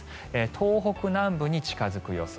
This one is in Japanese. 東北南部に近付く予想。